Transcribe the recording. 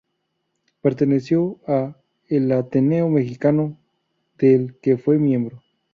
Perteneció a "El Ateneo Mexicano", del que fue miembro.